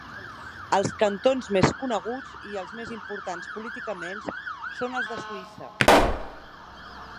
Els cantons més coneguts, i el més important políticament, són els de Suïssa.